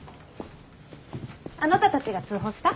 あなたたちが通報した？